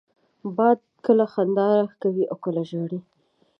باد کله خندا کوي، کله ژاړي